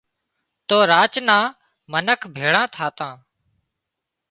تو راچ نان منک ڀيۯان ٿاتان